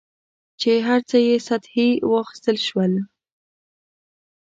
چې هر څه یې سطحي واخیستل شول.